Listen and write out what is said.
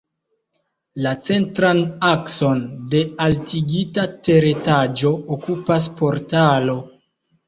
La centran akson de altigita teretaĝo okupas portalo.